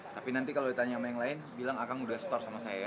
tapi nanti kalau ditanya sama yang lain bilang kang udah store sama saya